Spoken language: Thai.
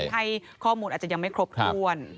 ให้ข้อมูลอาจจะยังไม่ครบถ้วน